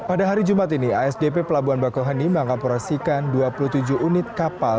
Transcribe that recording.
pada hari jumat ini asdp pelabuhan bakoheni mengoperasikan dua puluh tujuh unit kapal